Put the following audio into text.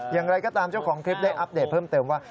อย่างไรก็ตามเจ้าของคลิปได้อัปเดตเพิ่มเติมว่า